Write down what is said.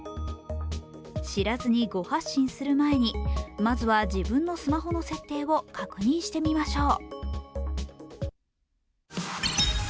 知らずに誤発信する前に、まずは自分のスマホの設定を確認してみましょう。